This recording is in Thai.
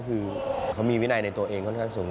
คือเขามีวินัยในตัวเองค่อนข้างสูง